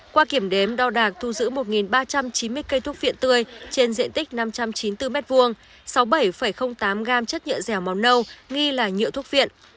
qua kiểm đếm đo đạc thu giữ một ba trăm chín mươi cây thuốc viện tươi trên diện tích năm trăm chín mươi bốn m hai sáu mươi bảy tám gram chất nhựa dẻo màu nâu nghi là nhựa thuốc viện